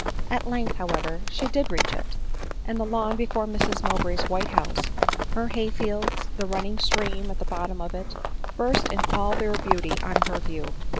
At length, however, she did reach it ;— and the lawn before Mrs Mowbray's white house, her hay fields, and the running stream at the bottom of it, burst in all their beauty on her view.